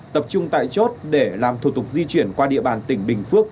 tập trung tại chốt để làm thủ tục di chuyển qua địa bàn tỉnh bình phước